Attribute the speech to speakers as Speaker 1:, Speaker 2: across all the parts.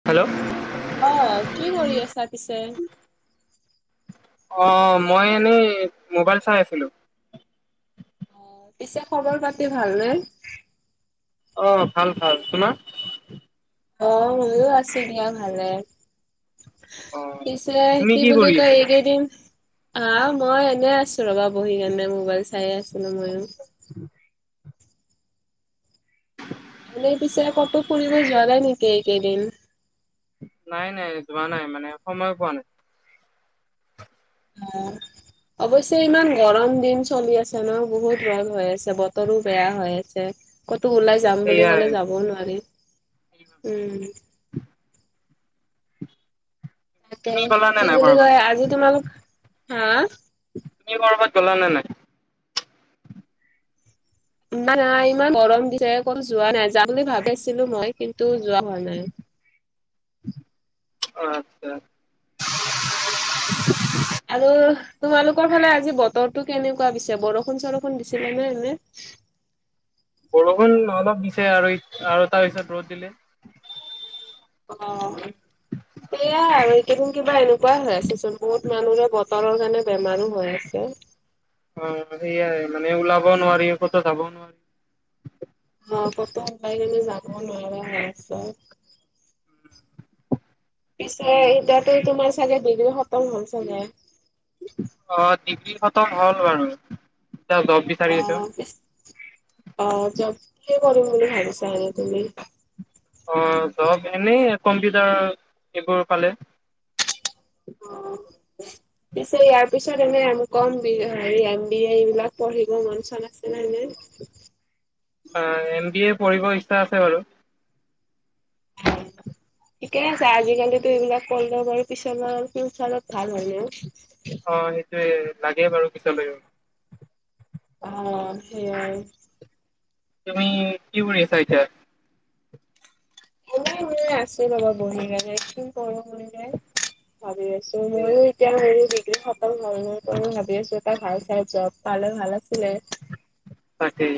Speaker 1: হেল'।
Speaker 2: অ', কি কৰি আছা পিছে?
Speaker 1: অ', মই এনেই মোবাইল চাই আছিলো।
Speaker 2: অ', পিছে খবৰ পাতি ভালনে?
Speaker 1: অ', ভাল ভাল, তোমাৰ?
Speaker 2: অ', মৰো আছে দিয়া ভালে।
Speaker 1: অঁ
Speaker 2: পিছে
Speaker 1: তুমি
Speaker 2: কি বুলি
Speaker 1: কৰি
Speaker 2: কয়
Speaker 1: আছিলা?
Speaker 2: এইকেই দিন আহ মই এনে আছো ৰ'বা বহি কেনে মোবাইল চাই আছিলো ময়ো।
Speaker 1: উম।
Speaker 2: এনেই পিছে ক'তো ফুৰিব যোৱা নাই নেকি এইকেইদিন?
Speaker 1: নাই নাই যোৱা নাই মানে সময় পোৱা নাই।
Speaker 2: উম। অৱশ্যে ইমান গৰম দিন চলি আছে ন বহুত ৰ'দ হৈ আছে বতৰো বেয়া হৈ আছে। ক'তো ওলাই যাম বুলি
Speaker 1: সেয়াই।
Speaker 2: ক'লে যাবওঁ নোৱাৰি উম। তাকে
Speaker 1: তুমি গ'লা নে
Speaker 2: কি
Speaker 1: নাই
Speaker 2: বুলি
Speaker 1: কৰ'বাত?
Speaker 2: কয় আজি তোমালোক হা
Speaker 1: তুমি ক'ৰবাত গ'লানে নাই?
Speaker 2: নাই ইমান গৰম দিছে ক'তো যোৱা নাই যাম বুলি ভাবিছিলো মই কিন্তু যোৱা হোৱা নাই।
Speaker 1: আচ্ছা।
Speaker 2: আৰু তোমালোকৰ ফালে আজি বতৰটো কেনেকুৱা দিছে বৰষুণ চৰষুণ দিছিলে নে এনে?
Speaker 1: বৰষুণ অলপ দিছে আৰু আৰু তাৰপিছত ৰ'দ দিলে।
Speaker 2: অ', সেয়াই আৰু এইকেইদিন কিবা এনেকুৱাই হৈ আছেচোন বহুত মানুহৰে ব বতৰৰ কাৰণে বেমাৰো হৈ আছে।
Speaker 1: অ', সেইয়াই মানে ওলাব নোৱাৰি ক'তো যাব নোৱাৰি।
Speaker 2: অ', ক'তো ওলাই কেনে যাব নোৱাৰা হৈ আছে। পিছে এতিয়াতো তোমাৰ চাগে ডিগ্ৰী খতম হ'ল চাগে।
Speaker 1: অ', ডিগ্ৰী খতম হ'ল বাৰু এতিয়া জব বিচাৰি আছো।
Speaker 2: অ', পি অ' যব কি কৰিম বুলি ভাবিছাে তুমি?
Speaker 1: অ', জব এনেই কম্পিউটাৰ এইবোৰ পালে।
Speaker 2: পিছে ইয়াৰ পিছত এনে এম কম বি হেৰিয়ে এম বি এ এইবিলাক পঢ়িব মন চন আছে নাই নে?
Speaker 1: অ', এম বি এ পঢ়িব ইচ্ছা আছে বাৰু।
Speaker 2: [inaudible] ঠিকেই আছে আজিকালিো এইবিলাক [unintelligible] বাৰু পিছৰ ফিউচাৰত ভাল হ'লেও।
Speaker 1: অ', সেইটোয়ে লাগে বাৰু পিছত লাগিব।
Speaker 2: অ', সেইয়াই।
Speaker 1: তুমি কি কৰি আছা এতিয়া?
Speaker 2: এনেই আছোঁ ৰ'বা বহি কেনে কি কৰোঁ? ভাবি আছো ময়ো এতিয়া সেৰি ডিগ্ৰী [unintelligible] ভাবি আছো এটা ভাল চাই জব পালে ভাল আছিলে।
Speaker 1: তাকেই।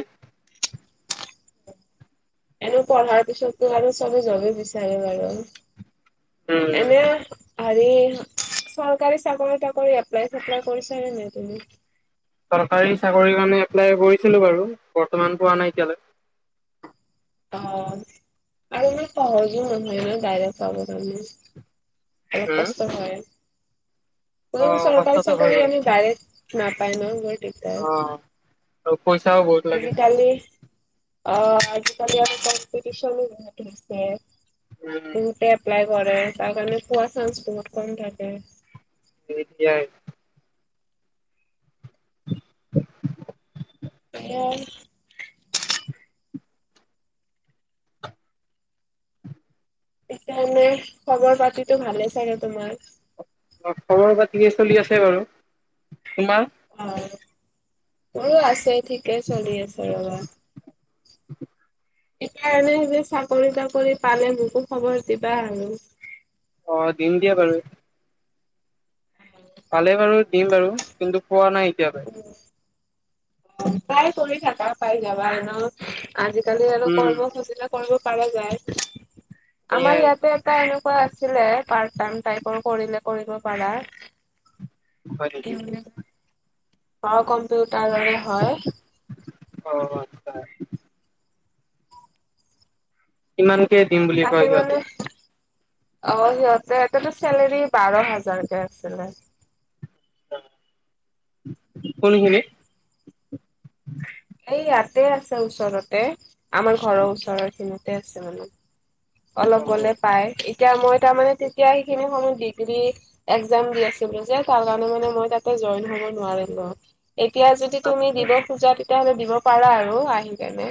Speaker 2: এনেই পঢ়াৰ পিছততো আৰু চবে যবেই বিচাৰে বাৰু।
Speaker 1: উম
Speaker 2: এনে আৰে চৰকাৰী চাকৰি তাকৰি এপ্লাই চপ্লাই কৰিছা নে নাই তুমি?
Speaker 1: চৰকাৰী চাকৰিৰ কাৰণে এপ্লাই কৰিছিলো বাৰু বৰ্তমান পোৱা নাই এতিয়ালৈ।
Speaker 2: অ', আৰু ইমান সহজো নহয় ন' ডাইৰেক্ট পাব কাৰণে। অলপ
Speaker 1: উম
Speaker 2: কষ্ট হয়।
Speaker 1: অ
Speaker 2: চৰকাৰী
Speaker 1: কষ্টটো হয়
Speaker 2: চাকৰি
Speaker 1: বাৰু
Speaker 2: আমি ডাইৰেক্ট নাপাই নহ গৈ তাতে
Speaker 1: অ', পইচাও বহুত। লাগে
Speaker 2: আজিকালি অ', আজিকালি আৰু কম্পিটিচনো বহুত হৈছে
Speaker 1: উম
Speaker 2: বহুতে এপ্লাই কৰে তাৰ কাৰণে পোৱা চানস বহুত কম থাকে।
Speaker 1: [unintelligible] [inaudible]
Speaker 2: সেয়াই
Speaker 1: [inaudible]
Speaker 2: সেইকাৰণে খবৰ পাতিতো ভালে চাগে তোমাৰ?
Speaker 1: অ', খবৰ পাতি চলি আছে বাৰু তোমাৰ?
Speaker 2: অ', মোৰো আছে ঠিকে চলি আছে ৰ'বা। সেইকাৰণে যে চাকৰি তাকৰি পালে মোকো খবৰ দিবা আৰু।
Speaker 1: অ', দিম দিয়া বাৰু। পালে বাৰু দিম বাৰু কিন্তু পোৱা নাই এতিয়ালৈ।
Speaker 2: উম, ট্ৰায় কৰি থাকা পাই যাবা এনেও আজিকালি আৰু
Speaker 1: উম
Speaker 2: কৰিব খুজিলে কৰিব পৰা যায় আমাৰ
Speaker 1: সেয়াই
Speaker 2: ইয়াতে প্ৰায় এনেকুৱা আছিলে পাৰ্ট টাইম টাইপৰ কৰিলে কৰিব পাৰা।
Speaker 1: হয় নেকি
Speaker 2: অ', কম্পিউটাৰৰে হয়।
Speaker 1: অ', হয়, কিমানকে কে দিম বুলি
Speaker 2: তাতে
Speaker 1: কয়
Speaker 2: মানে
Speaker 1: সিহঁতে
Speaker 2: অ', সিহঁতে আকৌ চেলেৰী বাৰ হাজাৰ কে আছিলে।
Speaker 1: কোনখিনিত?
Speaker 2: এই ইয়াতে আছে ওচৰতে আমাৰ ঘৰৰ ওচৰৰ খিনিতে আছে মানে অলপ
Speaker 1: অ
Speaker 2: গলে পাই এতিয়া মই তাৰমানে তেতিয়া সেইখিনি সময় ডিগ্ৰী এক জাম দি আছিলোঁ যে তাৰকাৰ মানে মই তাতে জইন হব নোৱাৰিলোঁ। এতিয়া যদি তুমি
Speaker 1: আচ্ছা
Speaker 2: দিব খোজা তেতিয়াহলে দিব পাৰা আৰু আহি কেনে।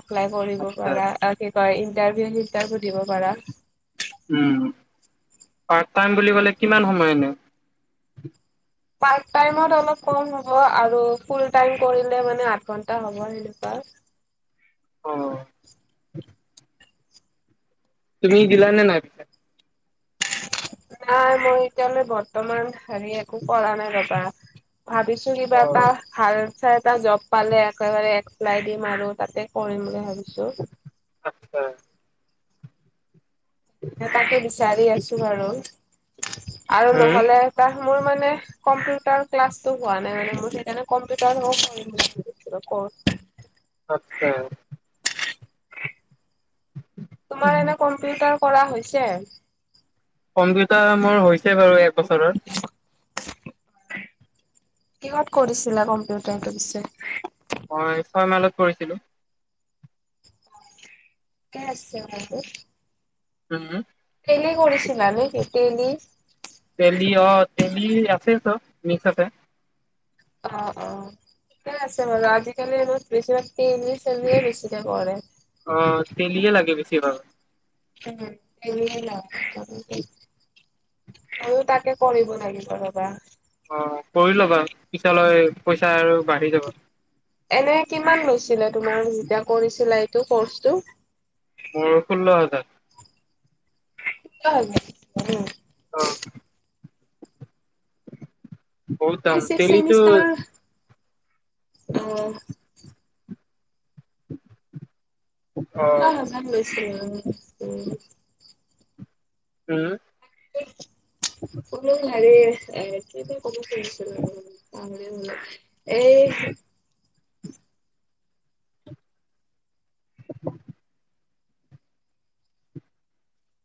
Speaker 2: এপ্লাই কৰিব
Speaker 1: আচ্ছা
Speaker 2: পাৰা আৰু কি কয় ইণ্টাৰভিউ ছিনটাৰভিউ দিব পাৰা।
Speaker 1: উম, পাৰ্ট টাইম বুলি কলে কিমান সময় এনে?
Speaker 2: পাৰ্ট টাইমত অলপ কম হ'ব আৰু ফুল টাইম কৰিলে মানে আঠ ঘন্তা হ'ব এনেকুৱা
Speaker 1: অ', তুমি দিলা নে নাই?
Speaker 2: নাই মই এতিয়ালে বৰ্তমান হেৰি একো কৰা নাই ৰ'বা ভাবিছোঁ
Speaker 1: অ
Speaker 2: কিবা এটা ভাল চাই এটা জব পালে একেবাৰে এপ্লাই দিম আৰু তাতে কৰিম বুলি ভাবিছো
Speaker 1: আতছা
Speaker 2: তাকে বিচাৰি আছো বাৰু আৰু
Speaker 1: উম
Speaker 2: নহলে তাৰ মোৰ মানে কম্পিউটাৰ ক্লাছটো হোৱা নাই মানে মোৰ সেইকাৰণে কম্পিউটাৰ কোৰ্চ
Speaker 1: আচ্ছা
Speaker 2: তোমাৰ এনে কম্পিউটাৰ কৰা হৈছে
Speaker 1: কম্পিউটাৰ মোৰ হৈছে বাৰু একবছৰত
Speaker 2: কিহত কৰিছিলা কম্পিউটাৰটো পিছে
Speaker 1: মই ছয় মাইলত পৰিছিলো
Speaker 2: কাই আছে আৰু
Speaker 1: উম
Speaker 2: তেলি কৰিছিলা নে কি তেলি
Speaker 1: তেলি অ তেলি আছে চব মিক্স আছে
Speaker 2: অ অ ঠিকে আছে বাৰু আজিকালিত বেছিভাগ ইংলিছ এনেই বেছিকে পৰে
Speaker 1: অ তেলিয়ে লাগে বেছি ভাগ
Speaker 2: উম এনে আৰু তাকে কৰিব লাগিব ৰবা
Speaker 1: অ কৰি লবা পিছলৈ পইচা আৰু বাঢ়ি যাব
Speaker 2: এনে কিমান লৈছিলে তোমাৰ যেতিয়া কৰিছিলা এইটো কৰ্চটো
Speaker 1: ষোল্ল হাজাৰ
Speaker 2: কি
Speaker 1: অ বহুত দাম
Speaker 2: ছিকছ
Speaker 1: তেলিটো
Speaker 2: চেমিষ্টাৰ অ
Speaker 1: উম
Speaker 2: অ ভালে লৈছে উম
Speaker 1: উম
Speaker 2: কলো মাৰি আ কব খুজিছিল ন অ এই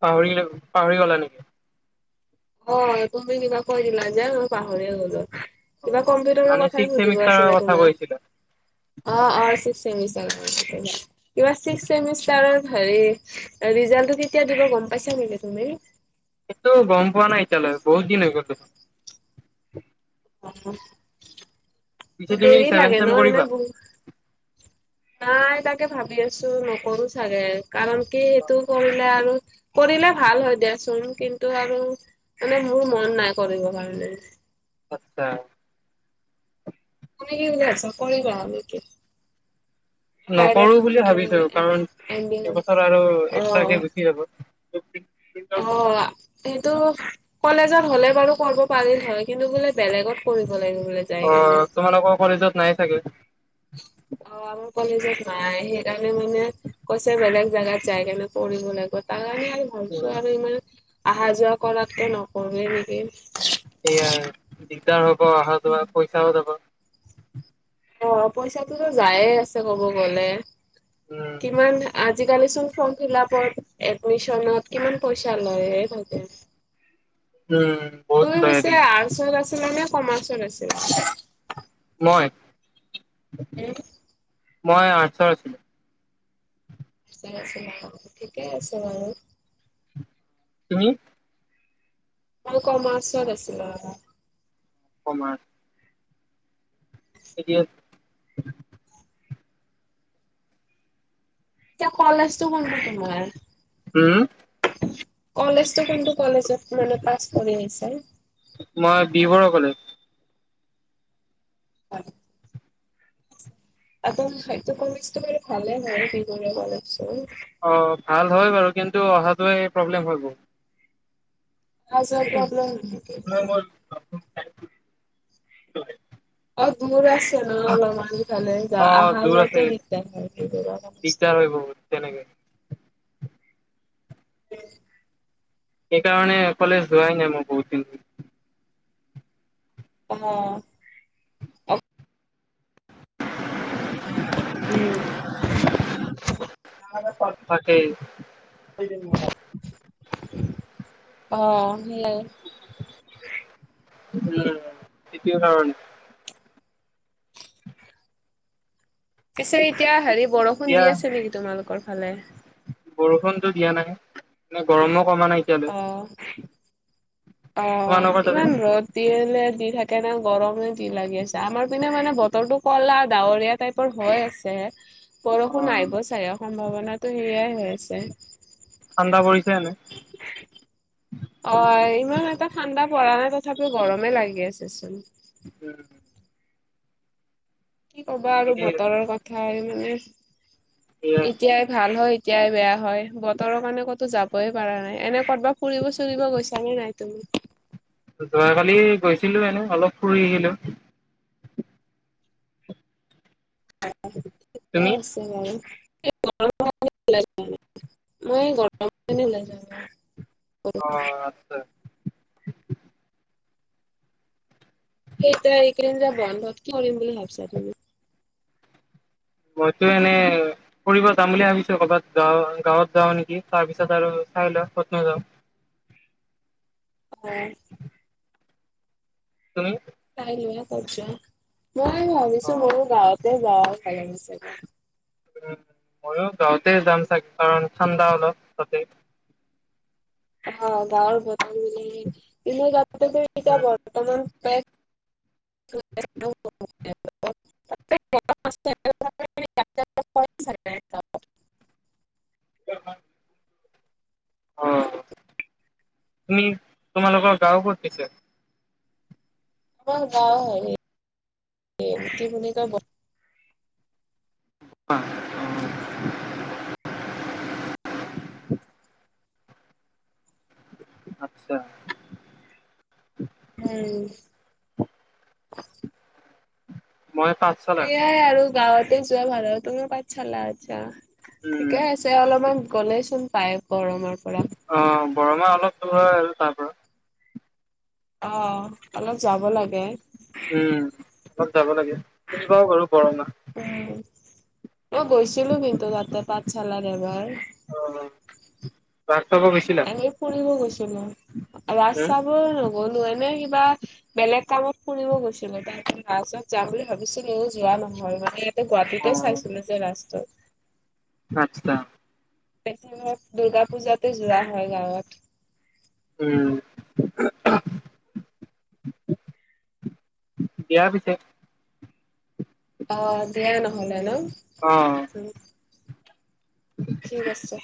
Speaker 1: পাহৰি পাহৰি গলা নেকি
Speaker 2: অ তুমি কিবা কৈ দিলা যে মই পাহৰি গলো কিবা কম্পিউটাৰৰ
Speaker 1: মানে
Speaker 2: কথাই
Speaker 1: ছিক্স
Speaker 2: সুধিব
Speaker 1: চেমিষ্টাৰৰ
Speaker 2: আছিলে
Speaker 1: কথা কৈছিলা
Speaker 2: তোমাক অ অসষ্টাৰ কিবািক্স চমিষ্টাৰৰ হেৰি ৰিজাল্টটো তেতিয়া দিব গম পাইছা নেকি তুমি
Speaker 1: এইটো গম পোৱা নাই এতিয়ালৈ বহুত দিন হৈ গ'ল পিছে
Speaker 2: অ
Speaker 1: তুমি
Speaker 2: দেৰি
Speaker 1: ছেভেন
Speaker 2: লাগে
Speaker 1: চেম
Speaker 2: ন এনে
Speaker 1: কৰিবা?
Speaker 2: ব নাই তাকে ভাবি আছো নকৰো চাগে কাৰণ কি সেইটো কৰিলে আৰু কৰিলে ভাল হয় দেিয়াচোন কিন্তু তটো আৰু মানে মোৰ মন নাই কৰিব কাৰণে
Speaker 1: আচ্ছা
Speaker 2: মান ই আছ ক গ নেক
Speaker 1: নকৰো বুলি
Speaker 2: এম
Speaker 1: ভাবিছো কাৰণ
Speaker 2: এম বি
Speaker 1: এইবছৰ আৰু
Speaker 2: অ'।
Speaker 1: এক্সট্ৰাকে গুচি যাব
Speaker 2: অ সেইটো কলেজত হ'লে বাৰু কৰিব পাৰিল নহয় কিন্তু বোলে বেলেগত কৰিব লাগে বোলে যাই
Speaker 1: অ
Speaker 2: কেনে।
Speaker 1: তোমালোকৰ কলেজত নাই চাগে
Speaker 2: অ আমাৰ কলেজত নাই সেইকাৰণে মানে কৈছে বেলেগ জাগগাত যাই গলে কৰিব লাগিব তাৰ কাৰণে আৰু ভালছ
Speaker 1: উম,
Speaker 2: আৰু ইমানে অহা যোৱা কৰাতক নকৰে নেকি
Speaker 1: সয় দিগদাৰ হ'ব অহা যোৱা পইচাও যাব
Speaker 2: অ', পইচাটোতো যায়ে আছে ক'ব গ'লে
Speaker 1: উম,
Speaker 2: কিমান আজিকালি চোন ফৰ্ম ফিল আপত এডমিশনত কিমান পইচা লয়ে থাকে।
Speaker 1: উম,। বহুত
Speaker 2: তোৰ
Speaker 1: লয়
Speaker 2: পিছে
Speaker 1: দিম
Speaker 2: আৰ্টছত আছিল নে কমাৰ্চত আছিল?
Speaker 1: মই- মই আৰ্টচৰ আছিলোঁ।
Speaker 2: [unintelligible] ঠিকে আছে বাৰু।
Speaker 1: তুমি?
Speaker 2: মই কমাৰ্চৰ আছিলোঁ আৰু।
Speaker 1: কমাৰ্চ [unintelligible]
Speaker 2: এতিয়া কলেজটো বন্ধ তোমাৰ।
Speaker 1: উম,।
Speaker 2: কলেজতটো কোনটো কলেজত মানে পাছ কৰি আহিছা?
Speaker 1: মই বি বৰুৱা কলেজ।
Speaker 2: হয়। [unintelligible] ভালে হয় বি বৰুৱা কলেজটো।
Speaker 1: অ', ভাল হয় বাৰু কিন্তু অহটোয়ে প্ৰব্লেম হ'ব।
Speaker 2: অহা যোৱা প্ৰব্লেম নহয়।
Speaker 1: [unintelligible]
Speaker 2: অ', ‌ দূৰ আছে ন অলপমান ফালে
Speaker 1: অ
Speaker 2: যা-অহা
Speaker 1: দূৰ আছে
Speaker 2: যোৱাতে দিগদাৰ হয়।
Speaker 1: [unintelligible] বহুত। তেনেকে।
Speaker 2: [inaudible]
Speaker 1: সেইকাৰণে সেইফালে যোৱাই নাই মই বহুত দিন ধৰি।
Speaker 2: অ'। অ
Speaker 1: তাকেই
Speaker 2: [unintelligible] অ', সেয়াই।
Speaker 1: [unintelligible]
Speaker 2: পিছে এতিয়া হেৰি বৰষুণ
Speaker 1: এতিয়া
Speaker 2: দি আছে নেকি তোমালোকৰ ফালে?
Speaker 1: বৰষুণতো দিয়া নাই মানে গৰমো কমা নাই এতিয়া
Speaker 2: অ'। অ',
Speaker 1: তোমালোকৰ তাতে
Speaker 2: ইমান ৰ'দ। দিলে দি থাকে না গৰমে দি লাগি আছে আমাৰ পিনে মানে বতৰটো ক'লা ডাৱৰীয়া টাইপ হৈ আছে
Speaker 1: অ
Speaker 2: বৰষুণ আহিব চাগে সম্ভাৱনাটো সেয়াই হৈ আছে।
Speaker 1: ঠাণ্ডা পৰিছে এনে।
Speaker 2: অ', ইমান এটা ঠাণ্ডা পৰা নাই তথাপিও গৰমে লাগি আছেচোন।
Speaker 1: উম,।
Speaker 2: কি ক'বা আৰু
Speaker 1: তাকে
Speaker 2: বতৰৰ কথা মানে
Speaker 1: এয়া
Speaker 2: এতিয়াই ভাল হয় এতিয়াই বেয়া হয় বতৰৰ কাৰণে ক'তো যাবই পাৰা নাই এনে ক'ৰবাত ফুৰিব চুৰিব গৈছা নে নাই তুমি?
Speaker 1: যোৱাকালি গৈছিলোঁ এনে অলপ ফুৰি আহিলোঁ।
Speaker 2: অ',
Speaker 1: তুমি
Speaker 2: ঠিকে আছে বাৰু [unintelligible] [unintelligible]
Speaker 1: অ', আছে।
Speaker 2: এই যে এইকেইদিন যে বন্ধত কৰিম বুলি ভাবিছা তুমি?
Speaker 1: মইতো এনে ফুৰিব যাম বুলি ভাবিছোঁ, ক'ৰবাত গাঁ-গাঁৱত যাওঁ নেকি তাৰ পিছত আৰু চাই ল‌ও কতনো যাওঁ।
Speaker 2: হয়।
Speaker 1: তুমি?
Speaker 2: চাই লোৱা ক'ত যোৱা, মই
Speaker 1: অ
Speaker 2: ভাবিছোঁ ম‌ইও গাঁৱতে যাও ভাল হ'ব চাগে।
Speaker 1: উম, ময়ো গাঁৱতে যাম চাগে কাৰণ ঠাণ্ডা অলপ তাতে।
Speaker 2: অ', গাঁৱৰ [unintelligible]
Speaker 1: উম
Speaker 2: বুলি কিন্তু [unintelligible] এতিয়া বৰ্তমান [unintelligible] [unintelligible]
Speaker 1: অ', তুমি তোমালোকৰ গাওঁ কত পিছে
Speaker 2: আমাৰ গাও [unintelligible] কি বুলি কয় [unintelligible]
Speaker 1: অ', আচ্ছা,
Speaker 2: উম,
Speaker 1: মই পাচ
Speaker 2: এয়াই, আৰু গাঁৱতে যোৱা ভাড়াটোৰ পাঠ চালা আচ্ছা
Speaker 1: উম
Speaker 2: ঠিকে আছে অলপমান গ'লে, চোন পায় গৰমৰ পৰা
Speaker 1: অ', ৰমা অলপ চল হয় আৰু তাৰ পৰা
Speaker 2: অ', অলপ যাব লাগে
Speaker 1: উম, অলপ যাব লাগে চিনি পিও বাৰু বৰমা
Speaker 2: উম, মই গৈছিলো কিন্তু, তাতে পাঠশালাত এবাৰ
Speaker 1: অ, ৰাস চাব গৈছিলা
Speaker 2: এনে ফুৰিব গৈছিলো,
Speaker 1: উম
Speaker 2: ৰাস্তাবোৰ নগলো এনে কিবা বেলেগ কামত ফুৰিব গৈছিলো তাত [unintelligible] যাম বুলি ভাবিছিলো যোৱা নহল মানে-
Speaker 1: অ
Speaker 2: গুৱাহাটীতে চাইছিলো যে ৰাস্তাত
Speaker 1: আচ্ছা,
Speaker 2: ধৰক, দুৰ্গা পূজাতে যোৱা হয় গাঁৱত
Speaker 1: উম, দিয়া পিছে
Speaker 2: অ ', দিয়া নহলে ন
Speaker 1: অ',
Speaker 2: উম, ঠিক আছে।